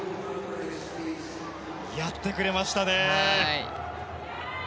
やってくれましたね。